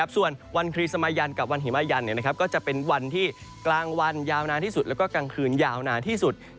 ส่วนวันครีสมายันกับวันหิมายันก็จะเป็นวันที่กลางวันยาวนานที่สุดแล้วก็กลางคืนยาวนานที่สุด